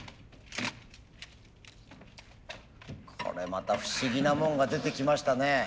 これまた不思議なもんが出てきましたね。